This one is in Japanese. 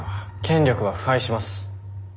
権力は腐敗します。